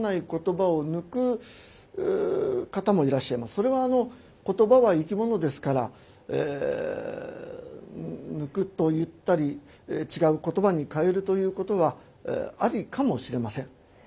それはあの言葉は生き物ですから抜くといったり違う言葉に変えるということはありかもしれません。